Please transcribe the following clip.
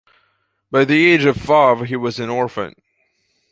By the age of five he was an orphan.